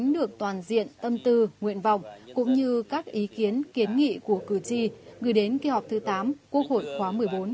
được toàn diện tâm tư nguyện vọng cũng như các ý kiến kiến nghị của cử tri gửi đến kỳ họp thứ tám quốc hội khóa một mươi bốn